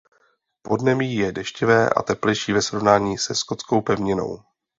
Podnebí je deštivé a teplejší ve srovnání se skotskou pevninou.